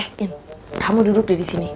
eh iin kamu duduk deh disini